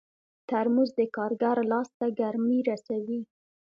ترموز د کارګر لاس ته ګرمي رسوي.